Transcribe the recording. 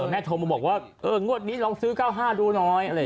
แม่โทรมาบอกว่าเอองวดนี้ลองซื้อ๙๕ดูหน่อย